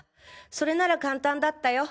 それなら簡単だったよ。